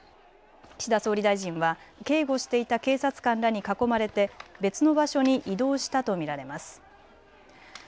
岸田総理大臣は警護していた警察官らに囲まれて別の場所に移動したと見られます。